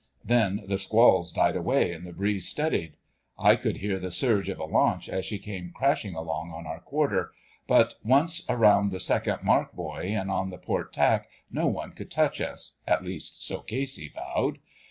Then the squalls died away and the breeze steadied. I could hear the surge of a launch as she came crashing along on our quarter, but once round the second mark buoy and on the port tack no one could touch us—at least so Casey vowed.